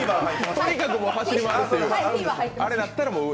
とにかく走り回るという。